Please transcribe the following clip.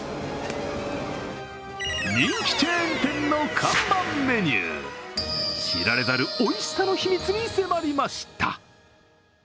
人気チェーン店の看板メニュー、知られざるおいしさの秘密に迫りました。